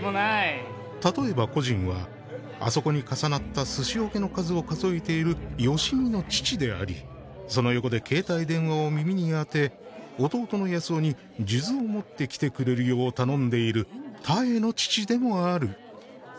「たとえば故人は、あそこに重なった寿司桶の数を数えている吉美の父であり、その横で携帯電話を耳に当て、弟に数珠を持ってきてくれるよう頼んでいる多恵の父でもある」。